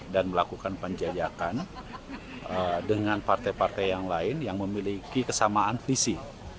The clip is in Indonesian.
dan melakukan penjajakan dengan partai partai yang lain yang memiliki kesamaan visi